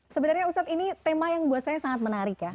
sebenarnya ustadz ini tema yang buat saya sangat menarik ya